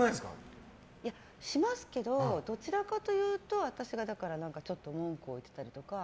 しますけど、どちらかというと私がちょっと文句を言ったりとか。